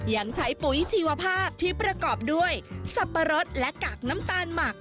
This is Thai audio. ยังใช้ปุ๋ยชีวภาพที่ประกอบด้วยสับปะรดและกากน้ำตาลหมัก